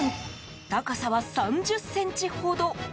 高さは３０ｃｍほど。